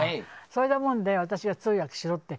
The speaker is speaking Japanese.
それだもんで私が通訳しろって。